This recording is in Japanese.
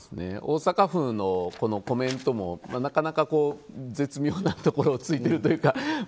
大阪府のコメントもなかなか絶妙なところを突いているというか。